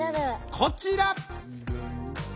こちら！